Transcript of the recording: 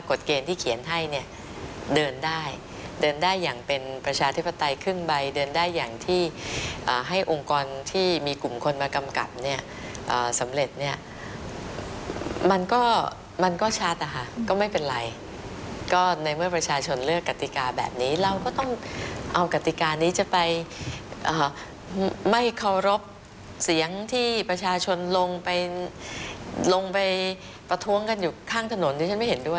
เกณฑ์ที่เขียนให้เนี่ยเดินได้เดินได้อย่างเป็นประชาธิปไตยครึ่งใบเดินได้อย่างที่ให้องค์กรที่มีกลุ่มคนมากำกับเนี่ยสำเร็จเนี่ยมันก็มันก็ชัดนะคะก็ไม่เป็นไรก็ในเมื่อประชาชนเลือกกติกาแบบนี้เราก็ต้องเอากติกานี้จะไปไม่เคารพเสียงที่ประชาชนลงไปลงไปประท้วงกันอยู่ข้างถนนที่ฉันไม่เห็นด้วย